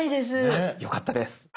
あっよかったです。